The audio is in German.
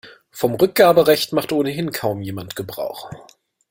Vom Rückgaberecht macht ohnehin kaum jemand Gebrauch.